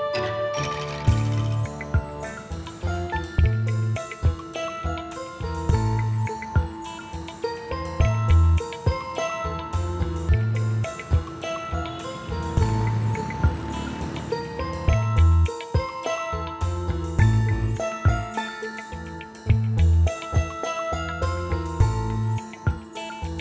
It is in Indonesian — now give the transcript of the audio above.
terus berjalan ke ws